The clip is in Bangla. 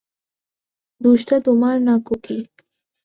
দোষটা তোমার না, খুকী।